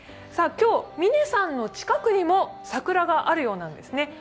今日、嶺さんの近くにも桜があるようなんですね。